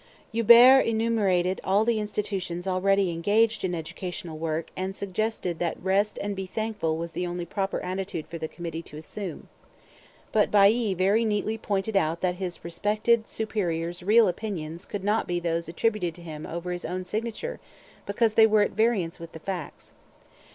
Hubert enumerated all the institutions already engaged in educational work and suggested that 'rest and be thankful' was the only proper attitude for the committee to assume. But Bailly very neatly pointed out that his respected superior's real opinions could not be those attributed to him over his own signature because they were at variance with the facts.